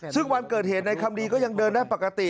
ซึ่งวันเกิดเหตุในคำดีก็ยังเดินได้ปกติ